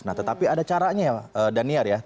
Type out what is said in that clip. nah tetapi ada caranya ya daniar ya